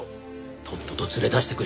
とっとと連れ出してくれ。